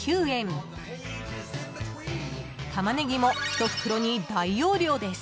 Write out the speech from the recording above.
［タマネギも１袋に大容量です］